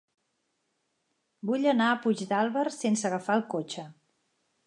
Vull anar a Puigdàlber sense agafar el cotxe.